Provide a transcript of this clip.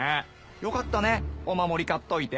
よかったねお守り買っといて。